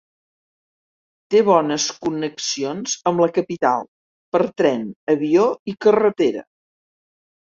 Té bones connexions amb la capital per tren, avió i carretera.